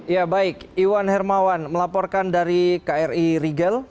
ya baik iwan hermawan melaporkan dari kri rigel